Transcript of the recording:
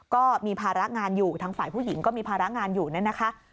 ก็มีภาระงานอยู่ทางฝ่ายผู้หญิงก็มีภาระงานอยู่นั่นนะคะ